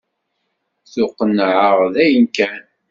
Ttuqennεeɣ dayen kan.